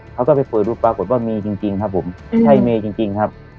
เขาก็ไปเปิดรูปปรากฏว่ามีจริงจริงครับผมใช่เมนี่จริงจริงครับ